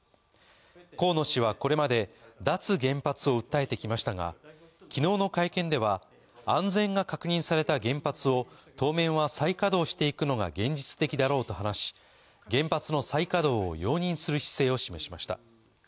河野氏はこれまで、脱原発を訴えてきましたが昨日の会見では安全が確認された原発を当面は再稼働していくのが現実的だろうと話し、原発の再稼働を容認する姿勢を示しました。